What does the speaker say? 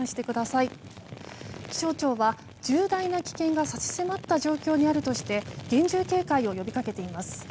気象庁は重大な危険が差し迫った状況にあるとして厳重警戒を呼びかけています。